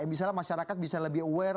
misalnya masyarakat bisa lebih aware